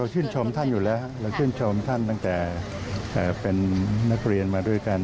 ชื่นชมท่านอยู่แล้วเราชื่นชมท่านตั้งแต่เป็นนักเรียนมาด้วยกัน